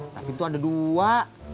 tapi itu ada dua